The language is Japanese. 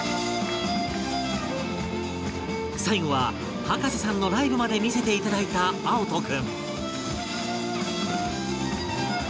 最後は葉加瀬さんのライブまで見せていただいた碧人君